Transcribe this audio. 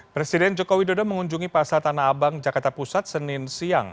presiden joko widodo mengunjungi pasar tanah abang jakarta pusat senin siang